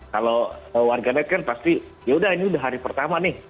kalau warganet kan pasti yaudah ini udah hari pertama nih